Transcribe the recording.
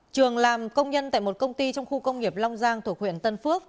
trường làm công nhân tại một công ty trong khu công nghiệp long giang thuộc huyện tân phước